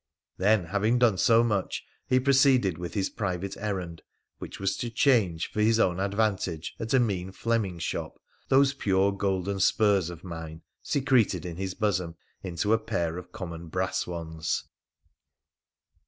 Then, having done so much, he pro ceeded with his private errand, which was to change, for his own advantage at a mean Fleming's shop, those pure golden spurs of mine, secreted in his bosom, into a pair of common brass ones.